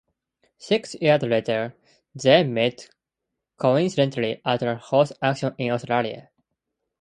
Six years later, they meet coincidentally at a horse auction in Australia.